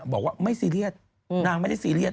บอกว่าไม่ซีเรียสนางไม่ได้ซีเรียส